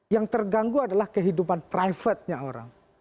yang terganggu adalah kehidupan private nya orang